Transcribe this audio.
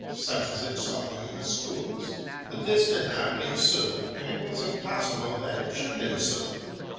such as it saw in the schools. But this did not ensue, and it was impossible that it should ensue.